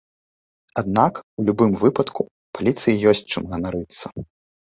Аднак, у любым выпадку, паліцыі ёсць чым ганарыцца.